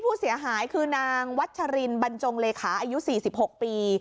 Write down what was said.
ผู้เสียหายคือนางวัชรินบรรจงเลขาอายุ๔๖ปี